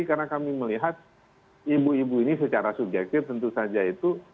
karena kami melihat ibu ibu ini secara subjektif tentu saja itu